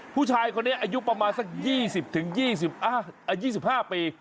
ผู้ชายคนนี้อายุประมาณสัก๒๐๒๕ปี